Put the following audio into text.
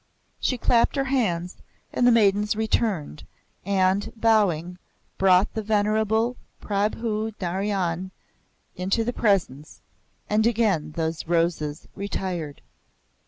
She clapped her hands, and the maidens returned, and, bowing, brought the venerable Prabhu Narayan into the Presence, and again those roses retired.